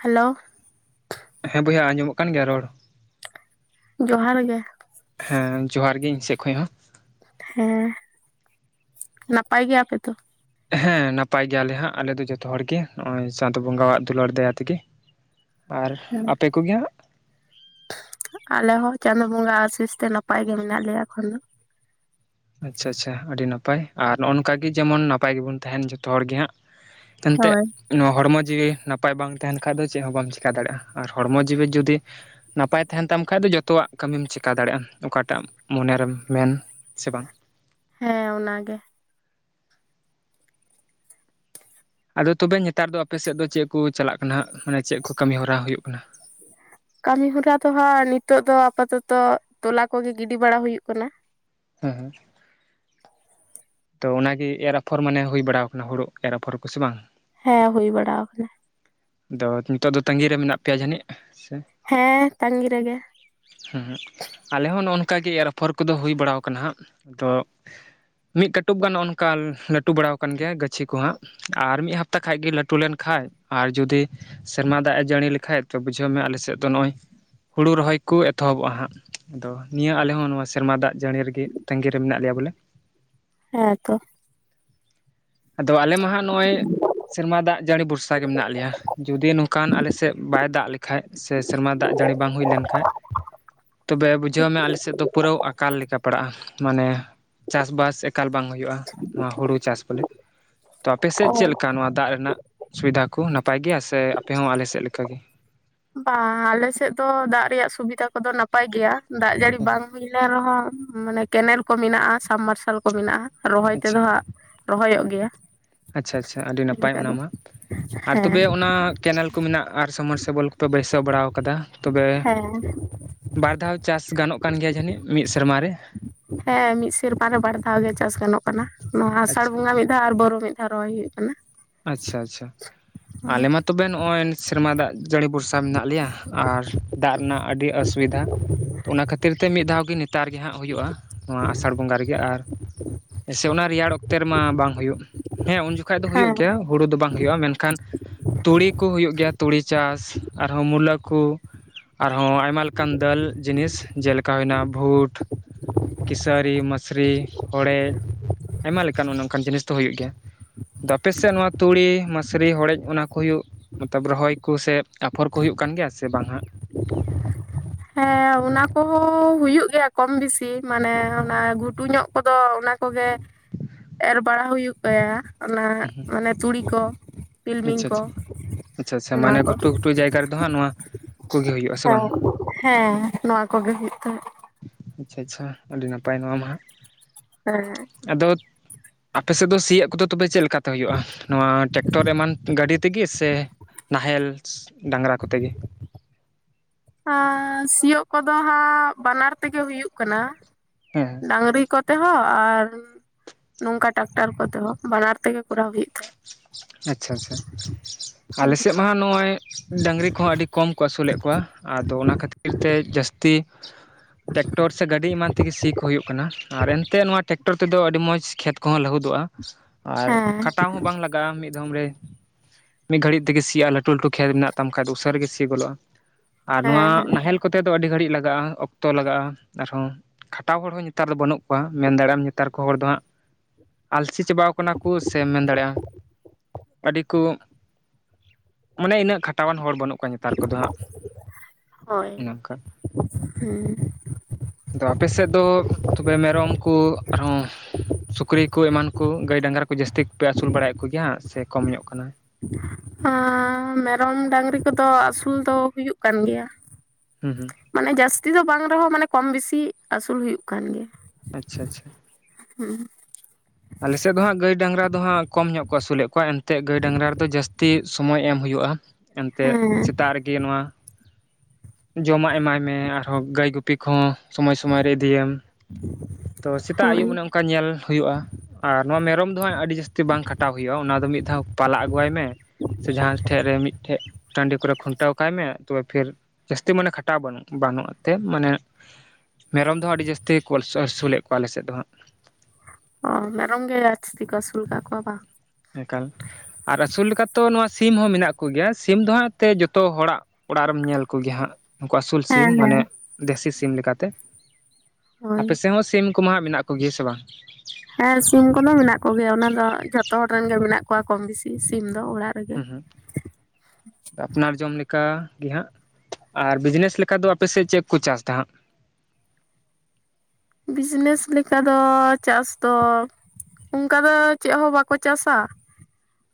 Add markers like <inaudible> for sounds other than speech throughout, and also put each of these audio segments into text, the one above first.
Hello ᱦᱮᱸ ᱵᱚᱭᱦᱟ ᱟᱸᱡᱚᱢᱚᱜ ᱠᱟᱱ ᱜᱮᱭᱟ ᱨᱚᱲ ᱡᱚᱦᱟᱨ ᱜᱮ ᱦᱮᱸ ᱡᱚᱦᱟᱨ ᱜᱮ ᱤᱧ ᱥᱮᱫ ᱠᱷᱚᱱ ᱦᱚᱸ ᱦᱮᱸ ᱱᱟᱯᱟᱭ ᱜᱮᱭᱟᱯᱮ ᱛᱚ ᱦᱮᱸ ᱱᱟᱯᱟᱭ ᱜᱮᱭᱟᱞᱮ ᱦᱟᱸᱜ ᱟᱞᱮ ᱫᱚ ᱡᱚᱛᱚ ᱦᱚᱲᱜᱮ ᱱᱚᱜ-ᱚᱭ ᱪᱟᱸᱫᱚ ᱵᱚᱸᱜᱟᱣᱟᱜ ᱫᱩᱞᱟᱹᱲ ᱫᱟᱭᱟ ᱛᱮᱜᱮ ᱟᱨ ᱦᱮᱸ ᱟᱯᱮ ᱠᱚᱜᱮ ᱦᱟᱸᱜ ᱟᱞᱮ ᱦᱚᱸ ᱪᱟᱸᱫᱳ ᱵᱚᱸᱜᱟ ᱟᱥᱤᱥ ᱛᱮ ᱱᱟᱯᱟᱭ ᱜᱮ ᱢᱮᱱᱟᱜ ᱞᱮᱭᱟ ᱮᱠᱷᱚᱱ ᱫᱚ ᱟᱪᱪᱷᱟ ᱟᱪᱪᱷᱟ ᱟᱹᱰᱤ ᱱᱟᱯᱟᱭ ᱟᱨ ᱱᱚᱜ-ᱚᱭ ᱱᱚᱝᱠᱟᱜ ᱜᱮ ᱡᱮᱢᱚᱱ ᱱᱟᱯᱟᱭ ᱜᱮᱵᱚᱱ ᱛᱟᱦᱮᱱ ᱡᱚᱛᱚ ᱦᱚᱲ ᱜᱮ ᱦᱟᱸᱜ ᱮᱱᱛᱮᱫ ᱦᱳᱭ ᱱᱚᱣᱟ ᱦᱚᱲᱢᱚ ᱡᱤᱣᱤ ᱱᱟᱯᱟᱭ ᱵᱟᱝ ᱛᱟᱦᱮᱱ ᱠᱷᱟᱡ ᱫᱚ ᱪᱮᱫ ᱦᱚᱸ ᱵᱟᱢ ᱪᱮᱠᱟ ᱫᱟᱲᱮᱭᱟᱜ-ᱟ ᱟᱨ ᱦᱚᱲᱢᱚ ᱡᱤᱣᱤ ᱡᱩᱫᱤ ᱱᱟᱯᱟᱭ ᱛᱟᱦᱮᱱ ᱛᱟᱢ ᱠᱷᱟᱡ ᱫᱚ ᱡᱚᱛᱚᱣᱟᱜ ᱠᱟᱹᱢᱤᱢ ᱪᱮᱠᱟ ᱫᱟᱲᱮᱭᱟᱜ-ᱟ ᱚᱠᱟᱴᱟᱜ ᱢᱚᱱᱮᱨᱮᱢ ᱢᱮᱱ ᱥᱮ ᱵᱟᱝ ᱦᱮᱸ ᱚᱱᱟᱜᱮ ᱟᱫᱚ ᱛᱚᱵᱮ ᱱᱮᱛᱟᱨ ᱫᱚ ᱟᱯᱮᱥᱮᱫ ᱫᱚ ᱪᱮᱫ ᱠᱚ ᱪᱟᱞᱟᱜ ᱠᱟᱱᱟ ᱦᱟᱸᱜ ᱢᱟᱱᱮ ᱪᱮᱫ ᱠᱚ ᱠᱟᱹᱢᱤᱦᱚᱨᱟ ᱦᱩᱭᱩᱜ ᱠᱟᱱᱟ ᱠᱟᱹᱢᱤ ᱦᱚᱨᱟ ᱫᱚ ᱦᱟᱸᱜ ᱱᱤᱛᱚᱜ ᱫᱚ ᱟᱯᱟᱛᱚᱛᱚ ᱴᱚᱞᱟ ᱠᱚᱜᱮ ᱜᱤᱰᱤ ᱵᱟᱲᱟ ᱦᱩᱭᱩᱜ ᱠᱟᱱᱟ ᱦᱮᱸ ᱦᱮᱸ ᱛᱚ ᱚᱱᱟᱜᱮ ᱮᱨ ᱟᱯᱷᱚᱨ ᱢᱟᱱᱮ ᱦᱩᱭ ᱵᱟᱲᱟ ᱟᱠᱟᱱᱟ ᱦᱩᱲᱩ ᱮᱨ ᱟᱯᱷᱚᱨ ᱠᱚ ᱥᱮ ᱵᱟᱝ ᱦᱮᱸ ᱦᱩᱭ ᱵᱟᱲᱟ ᱟᱠᱟᱱᱟ ᱟᱫᱚ ᱱᱤᱛᱚᱜ ᱫᱚ ᱛᱟᱹᱜᱤᱨ ᱨᱮ ᱢᱮᱱᱟᱜ ᱯᱮᱭᱟ ᱡᱟᱹᱱᱤᱡ ᱦᱮᱸ ᱛᱟᱸᱜᱤ ᱨᱮᱜᱮ ᱸᱸ ᱟᱞᱮ ᱦᱚᱸ ᱱᱚᱜᱼ ᱚᱱᱠᱟᱜ ᱜᱮ ᱮᱨ ᱟᱯᱷᱚᱨ ᱠᱚᱫᱚ ᱦᱩᱭ ᱵᱟᱲᱟ ᱠᱟᱱᱟ ᱦᱟᱸᱜ ᱛᱚ ᱢᱤᱫ ᱠᱟᱹᱴᱩᱵ ᱜᱟᱱ ᱚᱱᱠᱟ ᱞᱟᱹᱴᱩ ᱵᱟᱲᱟᱣᱟ ᱟᱠᱟᱱ ᱜᱮᱭᱟ ᱜᱟᱹᱪᱷᱤ ᱠᱚ ᱦᱟᱸᱜ ᱟᱨ ᱢᱤᱫ ᱦᱟᱯᱛᱟ ᱠᱷᱟᱱᱜᱮ ᱞᱟᱹᱴᱩ ᱞᱮᱱ ᱠᱷᱟᱡ ᱟᱨ ᱡᱩᱫᱤ ᱥᱮᱨᱢᱟ ᱫᱟᱜ ᱮ ᱡᱟᱹᱲᱤ ᱞᱮᱠᱷᱟᱡ ᱛᱚ ᱵᱩᱡᱷᱟᱹᱣ ᱢᱮ ᱟᱞᱮᱥᱮᱫ ᱫᱚ ᱱᱚᱜᱼᱚᱭ ᱦᱩᱲᱩ ᱨᱚᱦᱚᱭ ᱠᱚ ᱮᱛᱚᱦᱚᱵᱚᱜᱼᱟ ᱦᱟᱸᱜ ᱟᱫᱚ ᱱᱤᱭᱟᱹ ᱟᱞᱮ ᱦᱚᱸ ᱱᱚᱣᱟ ᱥᱮᱨᱢᱟ ᱫᱟᱜ ᱡᱟᱹᱲᱤ ᱨᱮᱜᱮ ᱛᱟᱹᱜᱤᱨᱮ ᱢᱮᱱᱟᱜ ᱞᱮᱭᱟ ᱵᱚᱞᱮ ᱦᱮᱸᱛᱚ ᱟᱫᱚ ᱟᱞᱮ ᱢᱟ ᱦᱟᱸᱜ ᱱᱚᱜᱼᱚᱭ ᱥᱮᱨᱢᱟ ᱫᱟᱜ ᱡᱟᱹᱲᱤ ᱵᱷᱚᱨᱥᱟ ᱜᱮ ᱢᱮᱱᱟᱜ ᱞᱮᱭᱟ ᱡᱩᱫᱤ ᱱᱚᱝᱠᱟᱱ ᱟᱞᱮ ᱥᱮᱫ ᱵᱟᱭ ᱫᱟᱜ ᱞᱮᱠᱷᱟᱡ ᱥᱮ ᱥᱮᱨᱢᱟ ᱫᱟᱜ ᱡᱟᱹᱲᱤ ᱵᱟᱝ ᱦᱩᱭ ᱞᱮᱱᱠᱷᱟᱡ ᱛᱚᱵᱮ ᱵᱩᱡᱷᱟᱹᱣ ᱢᱮ ᱟᱞᱮ ᱥᱮᱫ ᱫᱚ ᱯᱩᱨᱟᱹᱣ ᱮᱠᱟᱞ ᱵᱟᱝ ᱦᱩᱭᱩᱜᱼᱟ ᱱᱚᱣᱟ ᱦᱩᱲᱩ ᱪᱟᱥ ᱵᱚᱞᱮ ᱛᱚ ᱚ ᱟᱯᱮᱥᱮᱫ ᱪᱮᱫ ᱞᱮᱠᱟ ᱱᱚᱣᱟ ᱫᱟᱜ ᱨᱮᱱᱟᱜ ᱥᱩᱵᱤᱫᱷᱟ ᱠᱚ ᱱᱟᱯᱟᱭ ᱜᱮᱭᱟ ᱥᱮ ᱟᱯᱮ ᱦᱚᱸ ᱟᱞᱮ ᱥᱮᱫ ᱞᱮᱠᱟᱜ ᱜᱮ ᱵᱟᱝ ᱟᱞᱮ ᱥᱮᱫ ᱫᱚ ᱫᱟᱜ ᱨᱮᱭᱟᱜ ᱥᱩᱵᱤᱫᱷᱟ ᱠᱚᱫᱚ ᱱᱟᱯᱟᱭ ᱜᱮᱭᱟ ᱫᱟᱜ ᱡᱟᱹᱲᱤ ᱵᱟᱝ ᱦᱩᱭ ᱞᱮᱱ ᱨᱮᱦᱚᱸ ᱢᱟᱱᱮ ᱠᱮᱱᱮᱞ ᱠᱚ ᱢᱮᱱᱟᱜᱼᱟ ᱥᱟᱵᱢᱟᱨᱥᱟᱞ ᱠᱚ ᱢᱮᱱᱟᱜᱼᱟ ᱨᱚᱦᱚᱭ ᱟᱪᱪᱷᱟ ᱛᱮᱫᱚ ᱦᱟᱸᱜ ᱨᱚᱦᱚᱭᱚᱜ ᱜᱮᱭᱟ ᱟᱪᱪᱷᱟ ᱟᱪᱪᱷᱟ ᱟᱹᱰᱤ ᱱᱟᱯᱟᱭ ᱚᱱᱠᱟ ᱫᱚ ᱚᱱᱟᱢᱟ ᱟᱨ ᱦᱮᱸ ᱛᱚᱵᱮ ᱚᱱᱟ ᱠᱮᱱᱮᱞ ᱠᱚ ᱢᱮᱱᱟᱜᱼᱟ ᱥᱟᱢ ᱢᱟᱨᱥᱮᱵᱚᱞ ᱠᱚ ᱛᱚ ᱵᱟᱹᱭᱥᱟᱹᱣ ᱵᱟᱲᱟ ᱠᱟᱫᱟ ᱛᱚᱵᱮ ᱦᱮᱸ ᱵᱟᱨ ᱫᱷᱟᱣ ᱪᱟᱥ ᱜᱟᱱᱚᱜ ᱠᱟᱱ ᱜᱮᱭᱟ ᱡᱟᱹᱱᱤᱡ ᱢᱤᱫ ᱥᱮᱨᱢᱟ ᱨᱮ ᱦᱮᱸ ᱢᱤᱫ ᱥᱮᱨᱢᱟ ᱨᱮ ᱵᱟᱨ ᱫᱷᱟᱣ ᱜᱮ ᱪᱟᱥ ᱜᱟᱱᱚᱜ ᱠᱟᱱᱟ ᱱᱚᱣᱟ ᱟᱥᱟᱲ ᱟᱪᱪᱷᱟ ᱵᱚᱸᱜᱟ ᱢᱤᱫ ᱫᱷᱟᱣ ᱟᱨ ᱵᱚᱨᱳ ᱢᱤᱫ ᱫᱷᱟᱣ ᱨᱚᱦᱚᱭ ᱦᱩᱭᱩᱜ ᱠᱟᱱᱟ ᱟᱪᱪᱷᱟ ᱟᱪᱪᱷᱟ ᱟᱞᱮ ᱢᱟ ᱛᱚᱵᱮ ᱱᱚᱜᱼᱚᱭ ᱥᱮᱨᱢᱟ ᱫᱟᱜ ᱡᱟᱹᱲᱤ ᱵᱷᱚᱨᱥᱟ ᱢᱮᱱᱟᱜ ᱞᱮᱭᱟ ᱟᱨ ᱫᱟᱜ ᱨᱮᱱᱟᱜ ᱟᱹᱰᱤ ᱚᱥᱩᱵᱤᱫᱷᱟ ᱚᱱᱟ ᱠᱷᱟᱹᱛᱤᱨ ᱛᱮ ᱢᱤᱫ ᱫᱷᱟᱣ ᱜᱮ ᱱᱮᱛᱟᱨ ᱜᱮ ᱦᱟᱸᱜ ᱦᱩᱭᱩᱜᱼᱟ ᱱᱚᱣᱟ ᱟᱥᱟᱲ ᱵᱚᱸᱜᱟ ᱨᱮᱜᱮ ᱟᱨ ᱮᱥᱮ ᱚᱱᱟ ᱨᱮᱭᱟᱲ ᱚᱠᱛᱮ ᱨᱮᱢᱟ ᱵᱟᱝ ᱦᱩᱭᱩᱜ ᱦᱮᱸ ᱩᱱ ᱡᱚᱠᱷᱟᱡ ᱫᱚ ᱦᱩᱭᱩᱜ ᱦᱮᱸ ᱜᱮ ᱜᱮᱭᱟ ᱦᱩᱲᱩ ᱫᱚ ᱵᱟᱝ ᱦᱩᱭᱩᱜᱼᱟ ᱢᱮᱱᱠᱷᱟᱱ ᱛᱩᱲᱤ ᱠᱚ ᱦᱩᱭᱩᱜ ᱜᱮᱭᱟ ᱛᱩᱲᱤ ᱪᱟᱥ ᱟᱨᱦᱚᱸ ᱢᱩᱞᱟᱹ ᱠᱚ ᱟᱨᱦᱚᱸ ᱟᱭᱢᱟ ᱞᱮᱠᱟᱱ ᱫᱟᱹᱞ ᱡᱤᱱᱤᱥ ᱡᱮᱞᱮᱠᱟ ᱦᱩᱭᱱᱟ ᱵᱷᱳᱴ ᱠᱮᱥᱟᱹᱨᱤ ᱢᱟᱹᱥᱨᱤ ᱦᱚᱲᱮᱡ ᱟᱭᱢᱟ ᱞᱮᱠᱟᱱ ᱚᱱᱮ ᱚᱱᱠᱟᱱ ᱡᱤᱱᱤᱥ ᱫᱚ ᱦᱩᱭᱩᱜ ᱜᱮᱭᱟ ᱟᱯᱮᱥᱮ ᱱᱚᱣᱟ ᱛᱩᱲᱤ ᱢᱟᱥᱨᱤ ᱦᱚᱲᱮᱡ ᱚᱱᱟ ᱠᱚ ᱦᱩᱭᱩᱜ ᱢᱚᱛᱞᱚᱵ ᱨᱚᱦᱚᱭ ᱠᱚᱥᱮ ᱟᱯᱷᱚᱨ ᱠᱚ ᱦᱩᱭᱩᱜ ᱠᱟᱱ ᱜᱮᱭᱟ ᱥᱮ ᱵᱟᱝ ᱦᱟᱸᱜ <inaudible> ᱦᱮᱸ ᱚᱱᱟ ᱠᱚᱦᱚᱸ ᱦᱩᱭᱩᱜ ᱜᱮᱭᱟ ᱠᱚᱢ ᱵᱮᱥᱤ ᱢᱟᱱᱮ ᱚᱱᱟ ᱜᱷᱩᱴᱩ ᱧᱚᱜ ᱠᱚᱫᱚ ᱚᱱᱟ ᱚᱱᱟ ᱠᱚᱜᱮ ᱮᱨ ᱵᱟᱲᱟ ᱦᱩᱭᱩᱜ ᱛᱟᱭᱟ ᱚᱱᱟ ᱢᱟᱱᱮ ᱛᱩᱲᱤ ᱠᱚ ᱛᱤᱞᱢᱤᱧ ᱟᱪᱪᱷᱟ ᱠᱚ ᱟᱪᱪᱷᱟ ᱟᱪᱪᱷᱟ ᱟᱪᱪᱷᱟ ᱚᱱᱟ ᱢᱟᱱᱮ ᱠᱚ ᱜᱷᱩᱴᱩ ᱜᱷᱩᱴᱩ ᱡᱟᱭᱜᱟ ᱨᱮᱫᱚ ᱦᱟᱸᱜ ᱱᱚᱣᱟ ᱠᱚᱜᱮ ᱦᱩᱭᱩᱜᱼᱟ ᱥᱮ ᱦᱮᱸ ᱵᱟᱝ ᱦᱮᱸ ᱱᱚᱣᱟ ᱠᱚᱜᱮ ᱦᱩᱭᱩᱜ <unintelligible> ᱟᱪᱪᱷᱟ ᱟᱪᱪᱷᱟ ᱟᱹᱰᱤ ᱱᱟᱯᱟᱭ ᱱᱚᱣᱟ ᱢᱟ ᱦᱟᱸᱜ ᱦᱮᱸ ᱟᱫᱚ ᱟᱯᱮ ᱥᱮᱫ ᱫᱚ ᱥᱤᱭᱟᱹᱜ ᱠᱚᱫᱚ ᱛᱚᱵᱮ ᱪᱮᱫ ᱞᱮᱠᱟ ᱠᱟᱛᱮ ᱦᱩᱭᱩᱜᱼᱟ ᱱᱚᱣᱟ ᱴᱨᱟᱠᱴᱚᱨ ᱮᱢᱟᱱ ᱜᱟᱹᱰᱤ ᱛᱮᱜᱮ ᱥᱮ ᱱᱟᱦᱮᱞ ᱰᱟᱝᱨᱟ ᱠᱚᱛᱮ ᱜᱮ ᱟᱨ ᱥᱤᱭᱳᱜ ᱠᱚᱫᱚ ᱦᱟᱸᱜ ᱵᱟᱱᱟᱨ ᱛᱮᱜᱮ ᱦᱩᱭᱩᱜ ᱠᱟᱱᱟ ᱦᱮᱸ ᱰᱟᱝᱨᱤ ᱠᱚ ᱛᱮᱦᱚᱸ ᱟᱨ ᱱᱚᱝᱠᱟ ᱴᱟᱠᱴᱟᱨ ᱠᱚᱛᱮ ᱦᱚᱸ ᱵᱟᱱᱟᱨ ᱛᱮᱜᱮ ᱠᱚᱨᱟᱣ ᱦᱩᱭᱩᱜ ᱛᱟᱦᱮᱸᱫ ᱟᱪᱪᱷᱟ ᱟᱪᱪᱷᱟ ᱟᱞᱮ ᱥᱮᱫ ᱢᱟ ᱱᱚᱜᱼᱚᱭ ᱰᱟᱝᱨᱤ ᱠᱚᱦᱚᱸ ᱟᱹᱰᱤ ᱠᱚᱢ ᱠᱚ ᱟᱹᱥᱩᱞᱮᱫ ᱠᱚᱣᱟ ᱟᱫᱚ ᱚᱱᱟ ᱠᱷᱟᱹᱛᱤᱨ ᱛᱮ ᱡᱟᱹᱥᱛᱤ ᱴᱮᱠᱴᱚᱨ ᱥᱮ ᱜᱟᱹᱰᱤ ᱮᱢᱟᱱ ᱛᱮᱜᱮ ᱥᱤ ᱠᱚ ᱦᱩᱭᱩᱜ ᱠᱟᱱᱟ ᱟᱨ ᱮᱱᱛᱮᱜ ᱱᱚᱣᱟ ᱴᱮᱠᱴᱚᱨ ᱛᱮᱫᱚ ᱟᱹᱰᱤ ᱢᱚᱡᱽ ᱠᱷᱮᱛ ᱠᱚᱦᱚᱸ ᱞᱟᱹᱦᱩᱫᱚᱜᱼᱟ ᱟᱨ ᱦᱮᱸ ᱦᱮᱸ ᱠᱷᱟᱴᱟᱣ ᱦᱚᱸ ᱵᱟᱝ ᱞᱟᱜᱟᱜᱼᱟ ᱢᱤᱫ ᱫᱷᱚᱢ ᱨᱮ ᱢᱤᱫ ᱜᱷᱟᱹᱲᱤᱡ ᱛᱮᱜᱮ ᱥᱤᱜ-ᱟ <unintelligible> ᱟᱨ ᱱᱚᱣᱟ ᱦᱮᱸ ᱱᱟᱦᱮᱞ ᱠᱚᱛᱮ ᱫᱚ ᱟᱹᱰᱤ ᱜᱷᱟᱹᱲᱤᱡ ᱞᱟᱜᱟᱜᱼᱟ ᱚᱠᱛᱚ ᱞᱟᱜᱟᱜᱼᱟ ᱟᱨᱦᱚᱸ ᱠᱷᱟᱴᱟᱣ ᱦᱚᱲ ᱦᱚᱸ ᱱᱮᱛᱟᱨ ᱫᱚ ᱵᱟᱹᱱᱩᱜ ᱠᱚᱣᱟ ᱢᱮᱱ ᱫᱟᱲᱮᱭᱟᱜ ᱟᱢ ᱱᱮᱛᱟᱨ ᱠᱚ ᱦᱚᱲ ᱫᱚ ᱦᱟᱸᱜ ᱟᱞᱥᱤ ᱪᱟᱵᱟᱣ ᱠᱟᱱᱟ ᱠᱚ ᱥᱮᱢ ᱢᱮᱱ ᱫᱟᱲᱮᱭᱟᱜᱼᱟ ᱟᱹᱰᱤ ᱠᱚ ᱢᱟᱱᱮ ᱤᱱᱟᱹᱜ ᱠᱷᱟᱴᱟᱣᱟᱱ ᱦᱚᱲ ᱵᱟᱹᱱᱩᱜ ᱚᱠᱟ ᱱᱮᱛᱟᱨ ᱠᱚᱫᱚ ᱦᱟᱸᱜ ᱚᱱᱮ ᱦᱳᱭ ᱚᱱᱠᱟ ᱦᱮᱸ ᱛᱚ ᱟᱯᱮ ᱥᱮᱫ ᱫᱚ ᱛᱚᱵᱮ ᱢᱮᱨᱚᱢ ᱠᱚ ᱟᱨᱦᱚᱸ ᱥᱩᱠᱨᱤ ᱠᱚ ᱮᱢᱟᱱ ᱠᱚ ᱜᱟᱹᱭ ᱰᱟᱝᱨᱟ ᱠᱚ ᱡᱟᱹᱥᱛᱤ ᱠᱚᱯᱮ ᱟᱹᱥᱩᱞ ᱵᱟᱲᱟᱭᱮᱫ ᱠᱚᱜᱮᱭᱟ ᱥᱮ ᱠᱚᱢ ᱧᱚᱜ ᱠᱟᱱᱟ ᱟᱻ ᱢᱮᱨᱚᱢ ᱰᱟᱝᱨᱤ ᱠᱚᱫᱚ ᱟᱹᱥᱩᱞ ᱫᱚ ᱦᱩᱭᱩᱜ ᱠᱟᱱ ᱜᱮᱭᱟ ᱦᱩᱸ ᱦᱩᱸ ᱢᱟᱱᱮ ᱡᱟᱹᱥᱛᱤ ᱫᱚ ᱵᱟᱝ ᱨᱮᱦᱚᱸ ᱢᱟᱱᱮ ᱠᱚᱢ ᱵᱮᱥᱤ ᱟᱹᱥᱩᱞ ᱦᱩᱭᱩᱜ ᱠᱟᱱ ᱜᱮᱭᱟ ᱟᱪᱪᱷᱟ ᱟᱪᱪᱷᱟ ᱦᱩᱸ ᱟᱞᱮ ᱥᱮᱫ ᱫᱚ ᱦᱟᱸᱜ ᱜᱟᱹᱭ ᱰᱟᱝᱨᱟ ᱫᱚ ᱦᱟᱸᱜ ᱠᱚᱢ ᱧᱚᱜ ᱠᱚ ᱟᱹᱥᱩᱞᱮᱫ ᱠᱚᱣᱟ ᱮᱱᱛᱮ ᱜᱟᱹᱭ ᱰᱟᱝᱨᱟ ᱨᱮᱫᱚ ᱡᱟᱹᱥᱛᱤ ᱥᱚᱢᱚᱭ ᱮᱢ ᱦᱩᱭᱩᱜᱼᱟ᱾ ᱮᱱᱛᱮ ᱦᱮᱸ ᱥᱮᱛᱟᱜ ᱨᱮᱜᱮ ᱱᱚᱣᱟ ᱡᱚᱢᱟᱜ ᱮᱢᱟᱭ ᱢᱮ ᱟᱨᱦᱚᱸ ᱜᱟᱹᱭ ᱜᱩᱯᱤ ᱠᱚᱦᱚᱸ ᱥᱚᱢᱚᱭ ᱥᱚᱢᱚᱭ ᱨᱮ ᱤᱫᱤᱭᱮᱟᱢ ᱛᱚ ᱥᱮᱛᱟᱜ ᱟᱹᱭᱩᱵ ᱦᱳᱭ ᱚᱱᱮ ᱚᱱᱠᱟ ᱧᱮᱞ ᱦᱩᱭᱩᱜᱼᱟ᱾ ᱟᱨ ᱱᱚᱶᱟ ᱢᱮᱨᱚᱢ ᱫᱚ ᱦᱟᱜ ᱟᱹᱰᱤ ᱡᱟᱹᱥᱛᱤ ᱵᱟᱝ ᱠᱷᱟᱴᱟᱣ ᱦᱩᱭᱩᱜᱼᱟ ᱚᱱᱟ ᱫᱚ ᱢᱤᱫ ᱫᱷᱟᱣ ᱯᱟᱞᱟ ᱟᱹᱜᱩᱭᱣᱟᱭ ᱢᱮ ᱥᱮ ᱡᱟᱦᱟᱸ ᱴᱷᱮᱡ ᱨᱮ ᱢᱤᱫᱴᱷᱮᱡ ᱴᱟᱺᱰᱤ ᱠᱚᱨᱮ ᱠᱷᱩᱱᱴᱟᱹᱣ ᱠᱟᱭ ᱢᱮ ᱛᱚᱵᱮ ᱯᱷᱤᱨ ᱡᱟᱹᱥᱛᱤ ᱢᱟᱱᱮ ᱠᱷᱟᱴᱟᱣ ᱵᱟᱱᱩᱜ ᱵᱟᱹᱱᱩᱜ ᱛᱮ ᱢᱟᱱᱮ ᱢᱮᱨᱚᱢ ᱫᱚ ᱦᱟᱜ ᱟᱹᱰᱤ ᱡᱟᱹᱥᱛᱤ ᱠᱚ ᱟᱹᱥᱩᱞᱮᱫ ᱠᱚᱣᱟ ᱟᱞᱮ ᱥᱮᱫ ᱫᱚ ᱦᱟᱸᱜ ᱚ ᱢᱮᱨᱚᱢ ᱜᱮ ᱡᱟᱥᱛᱤ ᱠᱚ ᱥᱩᱞᱠᱟ ᱵᱟᱝ ᱮᱠᱟᱞ ᱟᱨ ᱟᱹᱥᱩᱞ ᱞᱮᱠᱟᱛᱚ ᱱᱚᱣᱟ ᱥᱤᱢ ᱦᱚᱸ ᱢᱮᱱᱟᱜ ᱠᱚᱜᱮᱭᱟ ᱥᱤᱢ ᱫᱚ ᱦᱟᱜ ᱮᱱᱛᱮ ᱡᱚᱛᱚ ᱦᱚᱲᱟᱜ ᱚᱲᱟᱜ <unintelligible> ᱧᱮᱞ ᱠᱚᱜᱮ ᱦᱟᱸᱜ ᱱᱩᱠᱩ ᱟᱹᱥᱩᱞ ᱥᱤᱢ ᱦᱮᱸ ᱢᱟᱱᱮ ᱦᱮᱸ ᱫᱮᱥᱤ ᱥᱤᱢ ᱞᱮᱠᱟᱛᱮ ᱦᱳᱭ ᱟᱯᱮ ᱥᱮᱮᱫ ᱦᱚᱸ ᱥᱤᱢ ᱩᱱᱠᱩᱢᱟ ᱦᱟᱸᱜ ᱢᱮᱱᱟᱜ ᱠᱚᱜᱮᱭᱟ ᱥᱮ ᱵᱟᱝ ᱦᱮᱸ ᱥᱤᱢ ᱠᱚᱫᱚ ᱢᱮᱱᱟᱜ ᱠᱚᱜᱮᱭᱟ ᱚᱱᱟ ᱫᱚ ᱡᱷᱚᱛᱚ ᱦᱚᱲ ᱨᱮᱱ ᱜᱮ ᱢᱮᱱᱟᱜ ᱠᱚᱣᱟ ᱠᱚᱢ ᱵᱮᱥᱤ ᱥᱤᱢ ᱫᱚ ᱚᱲᱟᱜ ᱨᱮᱜᱮ ᱦᱮᱸ ᱦᱩᱸ ᱟᱯᱱᱟᱨ ᱡᱚᱢ ᱞᱮᱠᱟ ᱤ ᱦᱟᱸᱜ ᱟᱨ ᱵᱤᱡᱽᱱᱮᱥ ᱞᱮᱠᱟ ᱫᱚ ᱟᱯᱮ ᱥᱮᱫ ᱪᱮᱫ ᱠᱚ ᱪᱟᱥ ᱛᱮ ᱦᱟᱸᱜ ᱵᱤᱡᱽᱱᱮᱥ ᱞᱮᱠᱟ ᱫᱚ ᱪᱟᱥ ᱫᱚ ᱚᱱᱠᱟ ᱫᱚ ᱪᱮᱫ ᱦᱚᱸ ᱵᱟᱠᱚ ᱪᱟᱥᱼᱟ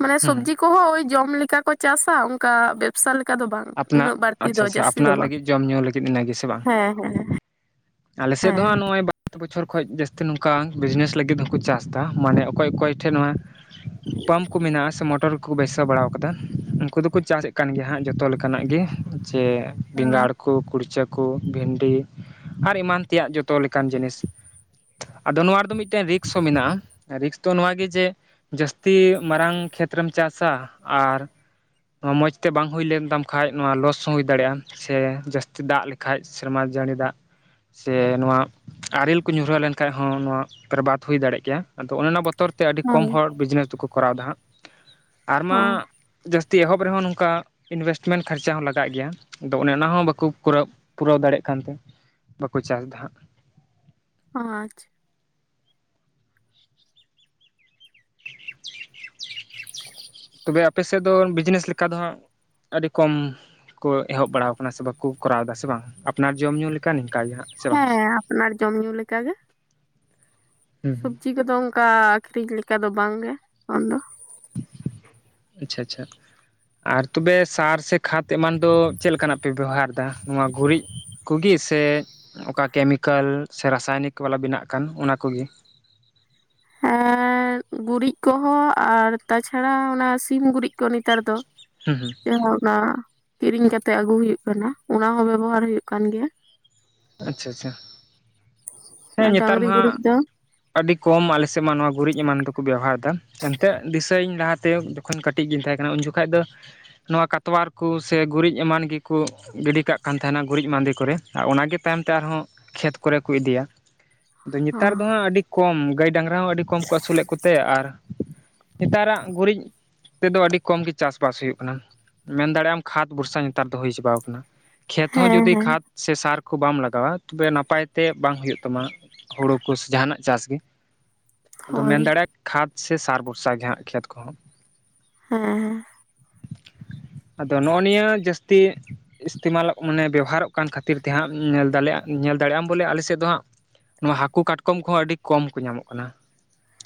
ᱢᱟᱱᱮ ᱦᱩᱸ ᱦᱩᱸ ᱥᱚᱵᱽᱡᱤ ᱠᱚᱦᱚᱸ ᱳᱭ ᱡᱚᱢ ᱞᱮᱠᱟ ᱠᱚ ᱪᱟᱥᱟ ᱚᱱᱠᱟ ᱵᱮᱵᱥᱟ ᱞᱮᱠᱟ ᱫᱚ ᱵᱟᱝ ᱟᱯᱱᱟᱜ ᱩᱱᱟᱹᱜ ᱵᱟᱹᱲᱛᱤ ᱟᱪᱪᱷᱟ ᱫᱚ ᱟᱪᱪᱷᱟ ᱡᱟᱹᱥᱛᱤ ᱟᱯᱱᱟ ᱫᱚ ᱵᱟᱝ ᱞᱟᱹᱜᱤᱫ ᱡᱚᱢ ᱧᱩ ᱞᱟᱹᱜᱤᱫ ᱤᱱᱟ ᱜᱮ ᱥᱮ ᱵᱟᱝ ᱦᱮᱸ ᱦᱮᱸ ᱟᱞᱮ ᱥᱮᱫ ᱫᱚ ᱦᱟᱸᱜ ᱦᱮᱸ ᱱᱚᱜᱼᱚᱭ ᱵᱟᱨ ᱵᱚᱪᱷᱚᱨ ᱠᱷᱚᱡ ᱡᱟᱹᱥᱛᱤ ᱱᱚᱝᱠᱟ ᱡᱟ. ᱥᱛᱤ ᱱᱚᱣᱟ ᱵᱤᱡᱽᱱᱮᱥ ᱞᱟᱹᱜᱤᱫ ᱦᱚᱸᱠᱚ ᱪᱟᱥ ᱫᱟ ᱢᱟᱱᱮ ᱚᱠᱚᱭ ᱚᱠᱚᱭ ᱴᱷᱮᱱ ᱱᱚᱣᱟ ᱯᱟᱢᱯ ᱠᱚ ᱢᱮᱱᱟᱜᱼᱟ ᱥᱮ ᱢᱚᱴᱚᱨ ᱠᱚᱠᱚ ᱵᱟᱹᱭᱥᱟᱹᱣ ᱵᱟᱲᱟᱣ ᱠᱟᱫᱟ ᱩᱱᱠᱩ ᱫᱚᱠᱚ ᱪᱟᱥᱮᱫ ᱠᱟᱱ ᱜᱮᱭᱟ ᱦᱟᱸᱜ ᱡᱚᱛᱚ ᱞᱮᱠᱟᱱᱟᱜ ᱜᱮ ᱡᱮ ᱦᱮᱸ ᱵᱮᱸᱜᱟᱲ ᱠᱚ ᱠᱩᱲᱪᱟᱹᱠᱚ ᱠᱩ ᱵᱷᱤᱱᱰᱤ ᱟᱨ ᱮᱢᱟᱱ ᱛᱮᱭᱟᱜ ᱡᱚᱛᱚ ᱞᱮᱠᱟᱱ ᱡᱤᱱᱤᱥ ᱟᱫᱚ ᱱᱚᱣᱟ ᱫᱚ ᱢᱤᱫ ᱢᱤᱫᱴᱮᱱ ᱨᱤᱠᱥ ᱦᱚᱸ ᱢᱮᱱᱟᱜᱼᱟ ᱨᱤᱠᱥ ᱛᱚ ᱱᱚᱣᱟ ᱜᱮ ᱡᱮ ᱡᱟᱹᱥᱛᱤ ᱢᱟᱨᱟᱝ ᱠᱷᱮᱛᱨᱮᱢ ᱪᱟᱥᱟ ᱟᱨ ᱱᱚᱣᱟ ᱢᱚᱡᱽ ᱛᱮ ᱵᱟᱝ ᱦᱩᱭ ᱞᱮᱱ ᱛᱟᱢ ᱠᱷᱟᱡ, ᱱᱚᱣᱟ ᱞᱚᱥ ᱦᱩᱭ ᱫᱟᱲᱮᱭᱟᱜᱼᱟ ᱥᱮ ᱡᱟᱹᱥᱛᱤ ᱫᱟᱜ ᱞᱮᱠᱷᱟ ᱥᱮᱨᱢᱟ ᱡᱟᱹᱲᱤ ᱫᱟᱜ ᱥᱮ ᱱᱚᱣᱟ ᱟᱨᱮᱞ ᱠᱚ ᱧᱩᱨᱦᱟᱹ ᱞᱮᱱᱠᱷᱟᱡ ᱦᱚᱸ ᱱᱚᱣᱟ ᱯᱚᱨᱵᱟᱫᱽ ᱦᱩᱭ ᱫᱟᱲᱮᱭᱟᱜ ᱠᱮᱭᱟ ᱟᱫᱚ ᱚᱱᱟ ᱵᱚᱛ ᱵᱚᱛᱚᱨ ᱛᱮ ᱟᱹᱰᱤ ᱦᱮᱸ ᱠᱚᱢ ᱦᱚᱲ ᱵᱤᱡᱽᱱᱮᱥ ᱫᱚᱠᱚ ᱠᱚᱨᱟᱣ ᱫᱟ ᱟᱨ ᱚ ᱢᱟ ᱡᱟᱹᱥ ᱮᱦᱚᱵ ᱨᱮᱦᱚᱸ ᱱᱚᱝᱠᱟ ᱤᱱᱵᱷᱮᱥᱴᱢᱮᱱᱴ ᱠᱷᱚᱨᱪᱟ ᱦᱚᱸ ᱞᱟᱜᱟᱜ ᱜᱮᱭᱟ ᱟᱫᱚ ᱚᱱᱮ ᱚᱱᱟ ᱦᱚᱸ ᱵᱟᱠᱚ ᱠᱚᱨᱟᱣ ᱯᱩᱨᱟᱹᱣ ᱫᱟᱲᱮᱭᱟᱜ ᱠᱟᱱ ᱛᱮ ᱵᱟᱠᱚ ᱪᱟᱥᱫᱟ ᱦᱟᱸ ᱟ ᱟᱪᱪᱷᱟ <unintelligible> ᱛᱚᱵᱮ ᱟᱯᱮ ᱥᱮᱫ ᱫᱚ ᱵᱤᱡᱽᱱᱮᱥ ᱞᱮᱠᱟ ᱫᱚ ᱦᱟᱸᱜ ᱟᱹᱰᱤ ᱠᱚᱢ ᱠᱚ ᱮᱦᱚᱵ ᱵᱟᱲᱟᱣ ᱟᱠᱟᱱᱟ ᱥᱮ ᱵᱟᱠᱚ ᱠᱚᱨᱟᱣ ᱮᱫᱟ ᱥᱮ ᱵᱟᱝ ᱟᱯᱱᱟᱨ ᱡᱚᱢ ᱧᱩ ᱞᱮᱠᱟ ᱱᱤᱝᱠᱟ ᱜᱮ ᱦᱟᱸᱜ ᱥᱮ ᱵᱟᱝ ᱦᱮᱸ ᱟᱯᱱᱟᱨ ᱡᱚᱢ ᱧᱩ ᱞᱮᱠᱟ ᱜᱮ ᱦᱩᱸ ᱦᱩᱸ ᱥᱚᱵᱽᱡᱤ ᱠᱚᱫᱚ ᱚᱱᱠᱟ ᱟᱹᱠᱷᱨᱤᱧ ᱞᱮᱠᱟ ᱫᱚ ᱵᱟᱝ ᱜᱮ ᱟᱢ ᱫᱚ ᱟᱪᱪᱷᱟ ᱟᱪᱪᱷᱟ ᱟᱨ ᱛᱚᱵᱮ ᱥᱟᱨ ᱥᱮ ᱠᱷᱟᱫᱽ ᱮᱢᱟᱱ ᱫᱚ ᱪᱮᱫ ᱞᱮᱠᱟᱱᱟᱜ ᱯᱮ ᱵᱮᱵᱚᱦᱟᱨ ᱮᱫᱟ ᱱᱚᱣᱟ ᱜᱩᱨᱤᱡ ᱠᱚᱜᱮ ᱥᱮ ᱚᱠᱟ ᱠᱮᱢᱤᱠᱮᱞ ᱥᱮ ᱨᱟᱥᱟᱭᱱᱤᱠ ᱵᱟᱞᱟ ᱵᱮᱱᱟᱜ ᱠᱟᱱ ᱚᱱᱟ ᱠᱚᱜᱮ <inaudible> ᱮ ᱜᱩᱨᱤᱡ ᱠᱚᱦᱚᱸ ᱟᱨ ᱛᱟᱪᱷᱟᱲᱟ ᱚᱱᱟ ᱥᱤᱢ ᱜᱩᱨᱤᱡ ᱠᱚ ᱱᱮᱛᱟᱨ ᱫᱚ ᱦᱩᱸ ᱦᱩᱸ <unintelligible> ᱠᱤᱨᱤᱧ ᱠᱟᱛᱮᱜ ᱟᱹᱜᱩ ᱦᱩᱭᱩᱜ ᱠᱟᱱᱟ ᱚᱱᱟ ᱦᱚᱸ ᱵᱮᱵᱚᱦᱟᱨ ᱦᱩᱭᱩᱜ ᱠᱟᱱ ᱜᱮᱭᱟ ᱟᱪᱪᱷᱟ ᱟᱪᱪᱷᱟ ᱦᱮᱸ ᱟᱨ ᱱᱮᱛᱟᱨ ᱰᱟᱝᱨᱤ ᱢᱟ ᱦᱟᱸᱜ ᱜᱩᱨᱤᱡ ᱫᱚ ᱟᱹᱰᱤ ᱠᱚᱢ ᱟᱞᱮ ᱥᱮᱫ ᱢᱟ ᱱᱚᱣᱟ ᱜᱩᱨᱤᱡ ᱮᱢᱟᱱ ᱛᱮᱠᱚ ᱵᱮᱣᱦᱟᱨ ᱮᱱᱛᱮᱫ ᱫᱤᱥᱟᱹᱧ ᱞᱟᱦᱟᱛᱮ ᱛᱮ ᱡᱚᱠᱷᱚᱱ ᱠᱟᱹᱴᱤᱡ ᱜᱤᱧ ᱛᱟᱦᱮᱸ ᱠᱟᱱᱟ ᱩᱱ ᱡᱚᱠᱷᱟᱡ ᱫᱚ ᱱᱚᱣᱟ ᱠᱟᱛᱣᱟᱨ ᱠᱚ ᱥᱮ ᱜᱩᱨᱤᱡ ᱮᱢᱟᱱ ᱜᱮᱠᱚ ᱜᱤᱰᱤ ᱠᱟᱜ ᱠᱟᱱ ᱛᱟᱦᱮᱱᱟ ᱜᱩᱨᱤᱡ ᱢᱟᱫᱮ ᱠᱚᱨᱮ ᱚᱱᱟ ᱜᱮ ᱛᱟᱭᱚᱢ ᱛᱮ ᱟᱨᱦᱚᱸ ᱠᱷᱮᱛ ᱠᱚᱨᱮ ᱠᱚ ᱤᱫᱤᱭᱟ ᱟᱫᱚ ᱱᱮᱛᱟᱨ ᱫᱚ ᱦᱟᱸᱜ ᱟᱹᱰᱤ ᱠᱚᱢ ᱜᱟᱹᱭ ᱰᱟᱝᱨᱟ ᱦᱚᱸ ᱟᱹᱰᱤ ᱠᱚᱢ ᱠᱚ ᱟᱹᱥᱩᱞᱮᱫ ᱠᱚᱛᱮ ᱟᱨ ᱱᱮᱛᱟᱨᱟᱜ ᱜᱩᱨᱤᱡ ᱛᱮᱫᱚ ᱟᱹᱰᱤ ᱠᱚᱢ ᱜᱮ ᱪᱟᱥᱼᱵᱟᱥ ᱦᱩᱭᱩᱜ ᱠᱟᱱᱟ ᱢᱮᱱ ᱫᱟᱲᱮᱭᱟᱜ ᱟᱢ ᱠᱷᱟᱫᱽ ᱵᱷᱚᱨᱥᱟ ᱱᱮᱛᱟᱨ ᱫᱚ ᱦᱩᱭ ᱪᱟᱵᱟᱣ ᱠᱟᱱᱟ ᱠᱷᱮᱛ ᱦᱚᱸ ᱦᱮᱸ ᱡᱩᱫᱤ ᱦᱮᱸ ᱠᱷᱟᱛ ᱥᱮ ᱥᱟᱨ ᱠᱚ ᱵᱟᱢ ᱞᱟᱜᱟᱣᱟ ᱛᱚᱵᱮ ᱱᱟᱯᱟᱭ ᱛᱮ ᱵᱟᱝ ᱦᱩᱭᱩᱜ ᱛᱟᱢᱟ ᱛᱟᱢᱟ ᱦᱩᱲᱩ ᱠᱚ ᱡᱟᱦᱟᱱᱟᱜ ᱪᱟᱥ ᱜᱮ ᱟᱫᱚ ᱢᱮᱱ ᱦᱳᱭ ᱫᱟᱲᱮᱭᱟᱜᱼᱟ ᱠᱷᱟᱫᱽ ᱥᱮ ᱥᱟᱨ ᱵᱷᱚᱨᱥᱟ ᱜᱮ ᱦᱟᱸᱜ ᱠᱷᱮᱛ ᱠᱚᱦᱚᱸ ᱦᱮᱸ ᱟᱫᱚ ᱱᱚᱜᱼᱚ ᱱᱤᱭᱟᱹ ᱡᱟᱹᱥᱛᱤ ᱤᱥᱛᱮᱢᱟᱞ ᱢᱟᱱᱮ ᱵᱮᱵᱚᱦᱟᱨᱚᱜ ᱠᱟᱱ ᱠᱷᱟᱹᱛᱤᱨ ᱛᱮ ᱦᱟᱸᱜ ᱧᱮᱞ ᱫᱮ ᱧᱮᱞ ᱫᱟᱲᱮᱭᱟᱜ ᱟᱢ ᱵᱚᱞᱮ ᱟᱞᱮ ᱥᱮᱫ ᱫᱚ ᱦᱟᱸᱜ ᱱᱚᱣᱟ ᱦᱟᱹᱠᱩ ᱠᱟᱴᱠᱚᱢ ᱠᱚᱦᱚᱸ ᱟᱹᱰᱤ ᱠᱚᱢ ᱠᱚ ᱧᱟᱢᱚᱜ ᱠᱟᱱᱟ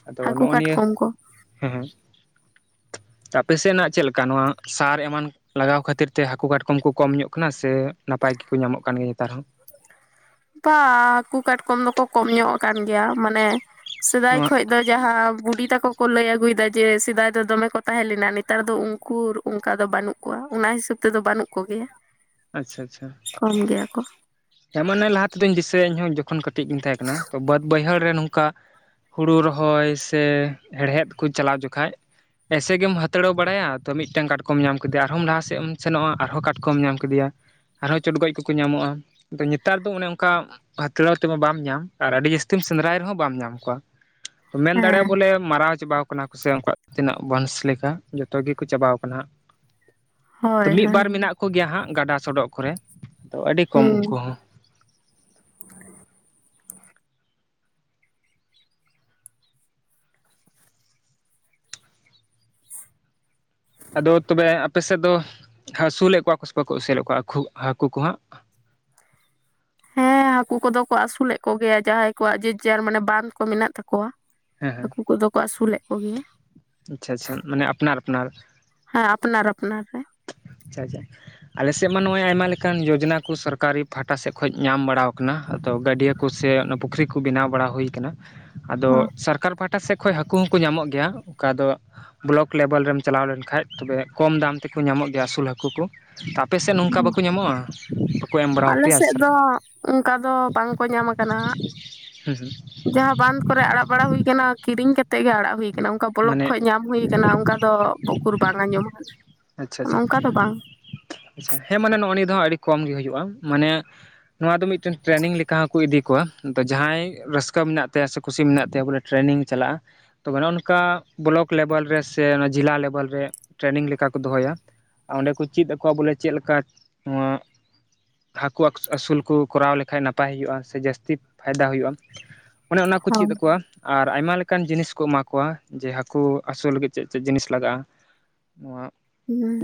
ᱟᱫᱚ ᱦᱟᱹᱠᱩ ᱱᱚᱜ ᱱᱤᱭᱟᱹ ᱠᱟᱴᱠᱚᱢ ᱠᱚ ᱦᱮᱸ ᱦᱮᱸ <unintelligible> <inaudible> ᱟᱯᱮᱥᱮᱱᱟᱜ ᱪᱮᱫᱞᱮᱠᱟ ᱱᱚᱣᱟ ᱥᱟᱨ ᱮᱢᱟᱱ ᱞᱟᱜᱟᱣ ᱠᱷᱟᱹᱛᱤᱨ ᱛᱮ ᱦᱟᱹᱠᱩ ᱠᱟᱴᱠᱚᱢ ᱠᱚ ᱠᱚᱢ ᱧᱚᱜ ᱠᱟᱱᱟ ᱥᱮ ᱱᱟᱯᱟᱭ ᱜᱮᱠᱚ ᱧᱟᱢᱚᱜ ᱠᱟᱱ ᱜᱮᱭᱟ ᱱᱮᱛᱟᱨ ᱦᱚᱸ ᱵᱟ ᱦᱟᱹᱠᱩ ᱠᱟᱴᱠᱚᱢ ᱫᱚᱠᱚ ᱠᱚᱢ ᱧᱚᱜ ᱟᱠᱟᱱ ᱜᱮᱭᱟ ᱢᱟᱱᱮ ᱥᱮᱫᱟᱭ ᱱᱚᱣᱟ ᱠᱷᱚᱱ ᱫᱚ ᱡᱟᱦᱟᱸ ᱵᱩᱰᱤ ᱛᱟᱠᱚ ᱠᱚ ᱞᱟᱹᱭ ᱟᱹᱜᱩᱭᱮᱫ ᱥᱮᱫᱟᱭ ᱡᱮ ᱥᱮᱫᱟᱭ ᱫᱚ ᱫᱚᱢᱮ ᱠᱚ ᱛᱟᱦᱮᱸ ᱞᱮᱱᱟ ᱱᱮᱛᱟᱨ ᱫᱚ ᱩᱱᱠᱩ ᱚᱱᱠᱟ ᱫᱚ ᱵᱟᱹᱱᱩᱜ ᱠᱚᱣᱟ ᱚᱱᱟ ᱦᱤᱥᱟᱹᱵᱽ ᱛᱮᱫᱚ ᱵᱟᱹᱱᱩᱜ ᱠᱚᱣᱟ ᱠᱚᱜᱮᱭᱟ ᱟᱪᱪᱷᱟ ᱟᱪᱪᱷᱟ ᱠᱚᱢ ᱜᱮᱭᱟ ᱠᱚ ᱦᱮᱸ ᱢᱚᱱᱮ ᱞᱟᱦᱟ ᱛᱮᱫᱚᱧ ᱫᱤᱥᱟᱹᱭᱟ ᱤᱧᱦᱚᱸ ᱡᱚᱠᱷᱚᱱ ᱠᱟᱹᱴᱤᱡ ᱜᱤᱧ ᱛᱟᱦᱮᱸ ᱠᱟᱱᱟ ᱛᱚ ᱵᱟᱹᱫ ᱵᱟᱹᱭᱦᱟᱹᱲ ᱨᱮ ᱱᱚᱝᱠᱟ ᱦᱩᱲᱩ ᱨᱚᱦᱚᱭ ᱥᱮ ᱦᱮᱲᱦᱮᱫ ᱠᱚ ᱪᱟᱞᱟᱣ ᱡᱚᱠᱷᱟᱡ ᱮᱭᱥᱮ ᱜᱮᱢ ᱦᱟᱛᱲᱟᱹᱣ ᱵᱟᱲᱟᱭᱟ ᱛᱚ ᱢᱤᱫᱴᱟᱱ ᱠᱟᱴᱠᱚᱢ ᱧᱟᱢ ᱠᱮᱫᱮᱭᱟ ᱟᱨᱦᱚᱢ ᱞᱟᱦᱟ ᱥᱮᱫ ᱮᱢ ᱥᱮᱱᱚᱜᱼᱟ ᱟᱨᱦᱚᱸ ᱠᱟᱴᱠᱚᱢ ᱧᱟᱢ ᱠᱮᱫᱮᱭᱟ ᱟᱨᱦᱚᱸ ᱪᱚᱰᱜᱚᱡ ᱠᱚᱠᱚ ᱧᱟᱢᱚᱜᱼᱟ ᱟᱫᱚ ᱱᱮᱛᱟᱨ ᱫᱚ ᱚᱱᱮ ᱚᱱᱠᱟ ᱦᱟᱹᱛᱲᱟᱹᱣ ᱛᱮᱢᱟ ᱵᱟᱢ ᱧᱟᱢ ᱟᱨ ᱟᱹᱰᱤ ᱡᱟᱹᱥᱛᱤᱢ ᱥᱮᱸᱫᱽᱨᱟᱭ ᱨᱮᱦᱚᱸ ᱵᱟᱢ ᱧᱟᱢ ᱠᱚᱣᱟ ᱢᱮᱱ ᱫᱟᱲᱮᱭᱟᱜᱼᱟ ᱦᱮᱸ ᱵᱚᱞᱮ ᱢᱟᱨᱟᱣ ᱪᱟᱵᱟ ᱠᱟᱱᱟ ᱠᱚ ᱥᱮ ᱩᱱᱠᱩᱣᱟᱜ ᱛᱤᱱᱟᱹᱜ ᱵᱚᱱᱥ ᱞᱮᱠᱟ ᱡᱚᱛᱚ ᱜᱮᱠᱚ ᱪᱟᱵᱟᱣ ᱠᱟᱱᱟ ᱦᱳᱭ ᱢᱤᱫ ᱦᱳᱭ ᱵᱟᱨ ᱢᱮᱱᱟᱜ ᱠᱚᱜᱮᱭᱟ ᱦᱟᱸᱜ ᱜᱟᱰᱟ ᱥᱚᱰᱚᱜ ᱠᱚᱨᱮ ᱛᱚ ᱟᱹᱰᱤ ᱠᱚᱢ ᱦᱩᱸ ᱦᱚᱸ <unintelligible> ᱟᱫᱚ ᱛᱚᱵᱮ ᱟᱯᱮ ᱥᱮᱫ ᱫᱚ ᱦᱟᱹᱥᱩᱞᱮᱫ ᱠᱚᱣᱟ ᱠᱚ ᱥᱮ ᱵᱟᱠᱚ ᱟᱹᱥᱩᱞᱮᱫ ᱠᱚᱣᱟ ᱦᱟᱹᱠᱩ ᱦᱟᱹᱠᱩ ᱠᱚᱦᱟᱸᱜ <inaudible> ᱦᱟᱹᱠᱩ ᱠᱚᱫᱚ ᱠᱚ ᱟᱹᱥᱩᱞᱮᱫ ᱠᱚᱜᱮᱭᱟ ᱡᱟᱦᱟᱸᱭ ᱠᱚᱣᱟᱜ ᱡᱮᱡᱟᱨ ᱢᱟᱱᱮ ᱵᱟᱸᱫ ᱠᱚ ᱢᱮᱱᱟᱜ ᱛᱟᱠᱚᱣᱟ ᱦᱮᱸ ᱦᱮᱸ ᱦᱟᱹᱠᱩ ᱠᱚᱫᱚ ᱠᱚ ᱟᱹᱥᱩᱞᱮᱫ ᱠᱚᱜᱮᱭᱟ ᱟᱪᱪᱷᱟ ᱟᱪᱪᱷᱟ ᱢᱟᱱᱮ ᱟᱯᱱᱟᱨ ᱟᱯᱱᱟᱨ ᱦᱮᱸ ᱟᱯᱱᱟᱟᱨ ᱟᱯᱱᱟᱟᱨ ᱟᱪᱪᱷᱟ ᱟᱪᱪᱷᱟ ᱟᱞᱮᱥᱮᱫ ᱢᱟ ᱱᱚᱜᱼᱚᱭ ᱟᱭᱢᱟ ᱞᱮᱠᱟᱱ ᱡᱳᱡᱚᱱᱟ ᱠᱚ ᱥᱚᱨᱠᱟᱨᱤ ᱯᱟᱦᱴᱟ ᱥᱮᱫ ᱠᱷᱚᱱ ᱧᱟᱢ ᱵᱟᱲᱟᱣ ᱟᱠᱟᱱᱟ ᱛᱚ ᱜᱟᱹᱰᱭᱟᱹ ᱠᱚ ᱥᱮ ᱚᱱᱟ ᱯᱩᱠᱷᱨᱤ ᱠᱚ ᱵᱮᱱᱟᱣ ᱵᱟᱲᱟ ᱦᱩᱭ ᱟᱠᱟᱱᱟ ᱟᱫᱚ ᱥᱚᱨᱠᱟᱨ ᱯᱟᱦᱴᱟ ᱥᱮᱜ ᱠᱷᱚᱡ ᱦᱟᱹᱠᱩ ᱦᱚᱸᱠᱚ ᱧᱟᱢᱚᱜ ᱜᱮᱭᱟ ᱚᱠᱟ ᱫᱚ ᱵᱞᱚᱠ ᱞᱮᱵᱮᱞ ᱨᱮᱢ ᱪᱟᱞᱟᱣ ᱞᱮᱱ ᱠᱷᱟᱡ ᱛᱚᱵᱮ ᱠᱚᱢ ᱫᱟᱢ ᱛᱮᱠᱚ ᱧᱟᱢᱚᱜ ᱜᱮᱭᱟ ᱟᱹᱥᱩᱞ ᱦᱟᱹᱠᱩ ᱠᱚ ᱛᱟ ᱟᱯᱮᱥᱮᱜ ᱱᱚᱝᱠᱟ ᱵᱟᱠᱩ ᱧᱟᱢᱚᱜᱼᱟ ᱵᱟᱠᱚ ᱮᱢ ᱟᱞᱮ ᱵᱟᱲᱟᱣᱟᱯᱮᱭᱟ ᱥᱮᱜ ᱫᱚ ᱥᱚᱨᱠᱟᱨ ᱚᱝᱠᱟ ᱫᱚ ᱵᱟᱝᱠᱚ ᱧᱟᱢ ᱟᱠᱟᱱᱟ ᱦᱩᱸ ᱦᱩᱸ ᱡᱟᱦᱟᱸ ᱵᱟᱸᱫᱷ ᱠᱚᱨᱮ ᱟᱲᱟᱜ ᱵᱟᱲᱟ ᱦᱩᱭ ᱠᱟᱱᱟ ᱠᱤᱨᱤᱧ ᱠᱟᱛ ᱛᱮᱜ ᱜᱮ ᱟᱲᱟᱜ ᱦᱩᱭ ᱠᱟᱱᱟ ᱚᱝᱠᱟ ᱵᱞᱚᱠ ᱢᱟᱱᱮ ᱠᱷᱚᱡ ᱧᱟᱢ ᱦᱩᱭ ᱠᱟᱱᱟ ᱚᱝᱠᱟ ᱫᱚ ᱩᱠᱩᱨ ᱵᱟᱝ ᱟᱸᱡᱚᱢ ᱠᱟᱱᱟ ᱟᱪᱷᱟ-ᱟᱪᱷᱟ ᱟᱪᱷᱟ ᱦᱮᱸ ᱢᱟᱱᱮ ᱱᱚᱜᱼᱚ ᱱᱤᱭᱟᱹ ᱫᱚ ᱦᱟᱸᱜ ᱟᱹᱰᱤ ᱠᱚᱢ ᱠᱚᱢ ᱜᱮ ᱦᱩᱭᱩᱜᱼᱟ ᱢᱟᱱᱮ ᱱᱚᱣᱟ ᱫᱚ ᱢᱤᱫᱴᱮᱱ ᱴᱨᱮᱱᱤᱝ ᱞᱮᱠᱟ ᱦᱚᱸᱠᱚ ᱤᱫᱤ ᱠᱚᱣᱟ ᱫᱚ ᱡᱟᱦᱟᱸᱭ ᱨᱟᱹᱥᱠᱟᱹ ᱢᱮᱱᱟᱜ ᱛᱟᱭᱟ ᱥᱮ ᱠᱩᱥᱤ ᱢᱮᱱᱟᱜ ᱛᱟᱭᱟ ᱵᱚᱞᱮ ᱴᱨᱮᱱᱤᱝ ᱪᱟᱞᱟᱜᱼᱟ ᱛᱚᱵᱮ ᱱᱚᱜᱼᱚ ᱱᱚᱠᱟ ᱵᱞᱚᱠ ᱞᱮᱵᱮᱞ ᱨᱮ ᱥᱮ ᱡᱤᱞᱟ ᱠᱟ ᱞᱮᱵᱮᱞ ᱨᱮ ᱴᱨᱮᱱᱤᱝ ᱞᱮᱠᱟ ᱫᱚᱦᱚᱭᱟ ᱟᱨ ᱚᱸᱰᱮ ᱠᱚ ᱪᱤᱫ ᱟᱠᱚᱣᱟ ᱵᱚᱞᱮ ᱪᱮᱜ ᱞᱮᱠᱟ ᱱᱚᱣᱟ ᱦᱟᱹᱠᱩ ᱟᱹᱠᱥ ᱟᱹᱥᱩᱞ ᱠᱩ ᱠᱚᱨᱟᱣ ᱞᱮᱠᱷᱟᱡ ᱱᱟᱯᱟᱭ ᱦᱩᱭᱩᱜᱼᱟ ᱥᱮ ᱡᱟᱹᱥᱛᱤ ᱯᱷᱟᱭᱫᱟ ᱦᱩᱭᱩᱜᱼᱟ ᱚᱱᱮ ᱚᱱᱟ ᱠᱚ ᱪᱤᱫ ᱦᱳᱭ ᱟᱠᱚᱣᱟ ᱟᱨ ᱟᱭᱢᱟ ᱞᱮ ᱠᱟᱱ ᱡᱤᱱᱤᱥ ᱠᱚ ᱮᱢᱟ ᱠᱚᱣᱟ ᱡᱮ ᱦᱟᱹᱠᱩ ᱟᱹᱥᱩᱞ ᱞᱟᱹᱜᱤᱫ ᱪᱮᱫ ᱪᱮᱫ ᱡᱤᱱᱤᱥ ᱞᱟᱜᱟᱜᱼᱟ ᱮᱸᱜ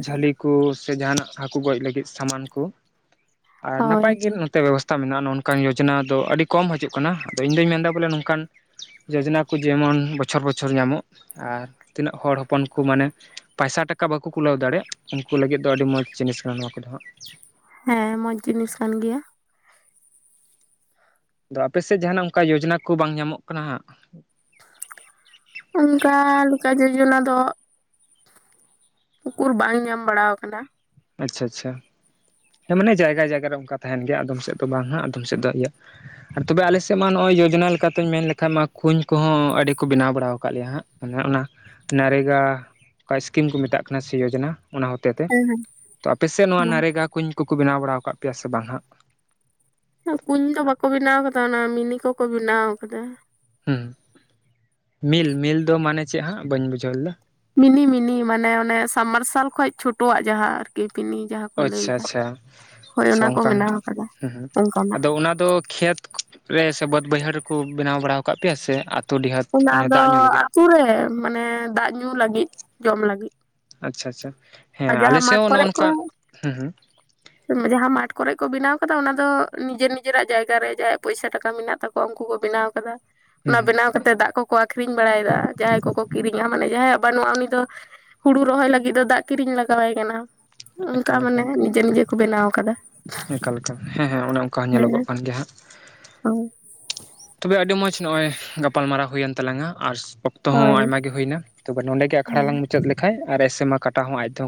ᱡᱷᱟᱹᱞᱤ ᱠᱩ ᱥᱮ ᱡᱟᱦᱟᱱᱟᱜ ᱦᱟᱹᱠᱩ ᱜᱚᱡ ᱞᱟᱹᱜᱤᱫ ᱥᱟᱢᱟᱱ ᱠᱩ ᱟᱨ ᱦᱳᱭ ᱱᱟᱯᱟᱭ ᱜᱮ ᱱᱚᱛᱮ ᱵᱮᱵᱚᱥ ᱛᱟ ᱢᱮᱱᱟᱜᱼᱟ ᱱᱚᱜᱼᱚ ᱱᱚᱠᱟᱱ ᱡᱳᱡᱱᱟ ᱫᱚ ᱟᱹᱰᱤ ᱠᱚᱢ ᱦᱟᱹᱡᱩᱜ ᱠᱟᱱᱟ ᱟᱫᱚ ᱤᱧ ᱫᱚᱧ ᱢᱮᱱᱫᱟ ᱵᱚᱞᱮ ᱱᱚᱝᱠᱟᱱ ᱡᱳᱡᱚᱱᱟ ᱠᱩ ᱡᱮᱢᱚᱱ ᱵᱚᱪᱷᱚᱨ ᱵᱚᱪᱷᱚᱨ ᱧᱟᱢᱚᱜ ᱟᱨ ᱛᱤᱱᱟᱹᱜ ᱦᱚᱲ ᱦᱚᱯᱚᱱ ᱠᱩ ᱢᱟᱱᱮ ᱯᱟᱭᱥᱟ ᱴᱟᱠ ᱵᱟᱹᱠᱩ ᱠᱩᱞᱟᱹᱣ ᱫᱟᱲᱮᱭᱟᱜ ᱩᱱᱠᱩ ᱞᱟᱹᱜᱤᱫ ᱫᱚ ᱟᱹᱰᱤ ᱢᱚᱡᱽ ᱡᱤᱱᱤᱥ ᱠᱟᱱᱟ ᱱᱚᱣᱟ ᱠᱚᱫᱚ ᱦᱟᱸᱜ ᱦᱮᱸ ᱢᱚᱡᱽ ᱡᱤᱱᱤᱥ ᱠᱟᱱ ᱜᱮᱭᱟ ᱫᱚ ᱟᱯᱮ ᱥᱮᱜ ᱡᱟᱦᱟᱱᱟᱜ ᱚᱝᱠᱟ ᱭᱳᱡᱚᱱᱟ ᱠᱚ ᱵᱟᱝ ᱧᱟᱢᱚᱜ ᱠᱟᱱᱟ ᱦᱟᱸᱜ ᱚᱝᱠᱟ ᱞᱮᱠᱟ ᱡᱳᱡᱚᱱᱟ ᱫᱚᱜ ᱩᱠᱩᱨ ᱵᱟᱝ ᱧᱟᱢ ᱵᱟᱲᱟᱣ ᱠᱟᱱᱟ ᱟᱪᱷᱟ ᱟᱪᱷᱟ ᱦᱮᱸ ᱢᱟᱱᱮ ᱡᱟᱭᱜᱟ ᱡᱟᱭᱜᱟ ᱨᱮ ᱚᱝᱠᱟ ᱛᱟᱦᱮᱱ ᱜᱮᱭᱟ ᱟᱫᱚᱢ ᱥᱮᱫ ᱫᱚ ᱵᱟᱝ ᱦᱟᱸᱜ ᱟᱫᱚᱢ ᱥᱮᱫ ᱫᱚ ᱤᱭᱟᱹ ᱟᱨ ᱛᱚᱵᱮ ᱟᱞᱮ ᱥᱮᱜ ᱢᱟ ᱱᱚᱜᱼᱚᱭ ᱭᱳᱡᱚᱱᱟ ᱞᱮᱠᱟᱛᱮᱧ ᱢᱮᱱ ᱞᱮᱠᱷᱟᱡ ᱢᱟ ᱠᱩᱧ ᱠᱚᱦᱚᱸ ᱟᱹᱰᱤ ᱠᱚ ᱵᱮᱱᱟᱣ ᱵᱟᱲᱟ ᱣᱟᱠᱟᱫ ᱞᱮᱭᱟ ᱦᱟᱸᱜ ᱚᱱᱮ ᱚᱱᱟ ᱱᱟᱨᱮᱜᱟ ᱚᱠᱟ ᱥᱠᱤᱢ ᱠᱚ ᱢᱮᱛᱟᱜ ᱠᱟᱱᱟ ᱥᱮ ᱭᱳᱡᱚᱱᱟ ᱚᱱᱟ ᱦᱚᱛᱮᱛᱮ ᱛᱚ ᱟᱯᱮᱥᱮᱫ ᱱᱚᱣᱟ ᱱᱟᱨᱮᱜᱟ ᱠᱩᱧ ᱠᱩᱠᱩ ᱵᱮᱱᱟᱣ ᱵᱟᱲᱟ ᱟᱠᱟᱫ ᱯᱮᱭᱟ ᱥᱮ ᱵᱟᱝ ᱦᱟᱸᱜ ᱠᱩᱧ ᱫᱚ ᱵᱟᱠᱚ ᱵᱮᱱᱟᱣ ᱠᱟᱫᱟ ᱚᱱᱟ ᱢᱤᱱᱤ ᱠᱚᱠᱚ ᱵᱮᱱᱟᱣ ᱠᱟᱫᱟ ᱦᱮᱸ ᱢᱤᱞ ᱢᱤᱞ ᱫᱚ ᱢᱟᱱᱮ ᱪᱮᱜ ᱦᱟᱸᱜ ᱵᱟᱹᱧ ᱵᱩᱡᱷᱟᱹᱣ ᱞᱮᱫᱟ ᱢᱤᱱᱤ ᱢᱤᱱᱤ ᱢᱟᱱᱮ ᱚᱱᱮ ᱥᱟᱵᱢᱟᱨᱥᱟᱞ ᱠᱷᱚᱡ ᱪᱷᱳᱴᱚᱣᱟᱜ ᱡᱟᱦᱟᱸ ᱟᱨᱠᱤ ᱢᱤᱱᱤ ᱡᱟᱦᱟᱸ ᱠᱚ ᱟᱪᱷᱟ ᱞᱟᱹᱭᱫᱟ ᱟᱪᱷᱟ ᱦᱳᱭ ᱪᱷᱟ ᱚᱱᱟ ᱠᱚ ᱚᱝᱠᱟᱱ ᱵᱮᱱᱟᱣ ᱟᱠᱟᱫᱟ ᱦᱮᱸ ᱦᱮᱸ ᱚᱱᱠᱟᱱᱟᱜ ᱟᱫᱚ ᱚᱱᱟ ᱫᱚ ᱠᱷᱮᱛ ᱨᱮ ᱥᱮ ᱵᱟᱹᱫᱽ ᱵᱟᱹᱭᱦᱟᱹᱲ ᱨᱮᱠᱚ ᱵᱮᱱᱟᱣ ᱵᱟᱲᱟᱣ ᱠᱟᱜ ᱯᱮᱭᱟ ᱥᱮ ᱟᱸᱜ ᱚᱱᱟ ᱫᱚ ᱟᱛᱩ ᱨᱮ ᱢᱟᱱᱮ ᱫᱟᱜ ᱧᱩ ᱞᱟᱹᱜᱤᱫ ᱡᱚᱢ ᱞᱟᱹᱜᱤᱫ ᱟᱪᱷᱟ ᱟᱪᱷᱟ ᱟᱨ ᱡᱟᱦᱟᱸ ᱢᱟᱴ ᱠᱚᱨᱮ ᱠᱚ ᱦᱩᱸ ᱦᱩᱸ ᱡᱟᱦᱟᱸ ᱢᱟᱴ ᱠᱚᱨᱮ ᱠᱚ ᱵᱮᱱᱟᱣ ᱟᱫᱚ ᱚᱱᱟ ᱫᱚ ᱱᱤᱡᱮᱨ ᱱᱤᱡᱮᱨᱟᱜ ᱡᱟᱭᱜᱟ ᱨᱮ ᱡᱟᱦᱟᱸᱭᱟᱜ ᱯᱚᱭᱥᱟ ᱴᱟᱠᱟ ᱢᱮᱱᱟᱜ ᱛᱟᱠᱚᱣᱟ ᱩᱱᱠᱩ ᱠᱚ ᱵᱮᱱᱟᱣ ᱠᱟᱫᱟ ᱚᱱᱟ ᱦᱩᱸ ᱵᱮᱱᱟᱣ ᱠᱟᱛᱮᱜ ᱫᱟᱜ ᱠᱚ ᱠᱚ ᱟᱹᱠᱷᱨᱤᱧ ᱵᱟᱲᱟᱭᱫᱟ ᱡᱟᱦᱟᱸᱭ ᱠᱚᱠᱚ ᱠᱤᱨᱤᱧᱟ ᱢᱟᱱᱮ ᱡᱟᱦᱟᱸᱭᱟᱜ ᱵᱟᱹᱱᱩᱜᱼᱟ ᱩᱱᱤ ᱫᱚ ᱦᱩᱲᱩ ᱨᱚᱦᱚᱭ ᱞᱟᱹᱜᱤᱫ ᱫᱚ ᱫᱟᱜ ᱠᱤᱨᱤᱧ ᱞᱟᱜᱟᱣᱟᱭ ᱠᱟᱱᱟ ᱦᱩᱸ ᱚᱱᱠᱟ ᱮᱠᱟᱞ ᱢᱟᱱᱮ ᱮᱠᱟᱞ ᱱᱤᱡᱮ ᱱᱤᱡᱮ ᱠᱚ ᱵᱮᱱᱟᱣ ᱠᱟᱫᱟ ᱮᱠᱟᱞ ᱮᱠᱟᱞ ᱦᱮᱸ ᱦᱮᱸ ᱚᱱᱮ ᱚᱝᱠᱟ ᱦᱚ ᱧᱮᱞᱚᱜᱚᱜ ᱠᱟᱱ ᱜᱮᱭᱟ ᱦᱟᱸᱜ ᱟᱶ ᱛᱚᱵᱮ ᱟᱹᱰᱤ ᱢᱚᱸᱡᱽ ᱱᱚᱜᱼᱚᱭ ᱜᱟᱯᱟᱞᱢᱟᱨᱟᱣ ᱦᱩᱭᱮᱱ ᱛᱟᱞᱟᱝᱟ ᱟᱨ ᱚᱠᱛᱚ ᱦᱚᱸ ᱦᱳᱭ ᱟᱭᱢᱟ ᱜᱮ ᱦᱩᱭᱱᱟ ᱛᱚᱵᱮ ᱱᱚᱸᱰᱮ ᱜᱮ ᱟᱠᱷᱲᱟ ᱦᱮᱸ ᱞᱟᱝ ᱢᱩᱪᱟᱹᱫ ᱞᱮᱠᱷᱟᱡ ᱟᱨ ᱮᱥᱮᱢᱟ ᱠᱟᱴᱟᱣ ᱦᱚᱸ ᱟᱡ ᱛᱮᱦᱚᱸ